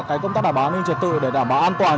cái công tác đảm bảo an ninh trật tự để đảm bảo an toàn